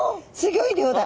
ギョい量だ。